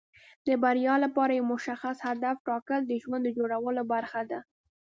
د بریا لپاره یو مشخص هدف ټاکل د ژوند د جوړولو برخه ده.